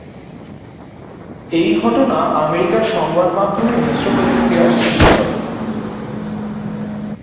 এই ঘটনা আমেরিকার সংবাদ মাধ্যমে মিশ্র প্রতিক্রিয়ার সৃষ্টি করে।